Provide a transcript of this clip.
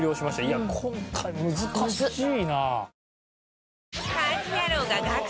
いや今回難しいな！